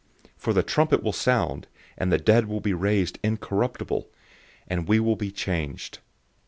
For the trumpet will sound, and the dead will be raised incorruptible, and we will be changed.